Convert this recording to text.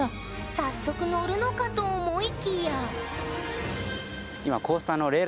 早速乗るのかと思いきやレール？